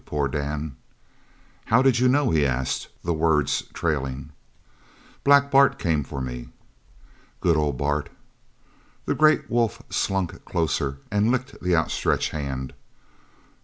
Poor Dan!" "How did you know?" he asked, the words trailing. "Black Bart came for me." "Good ol' Bart!" The great wolf slunk closer, and licked the outstretched hand.